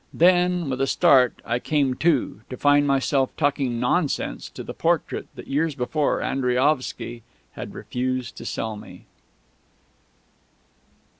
Then, with a start, I came to, to find myself talking nonsense to the portrait that years before Andriaovsky had refused to sell me.